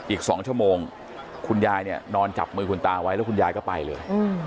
อีก๒ชั่วโมงคุณยายเนี่ยนอนจับมือคุณตาไว้แล้วคุณยายก็ไปเลย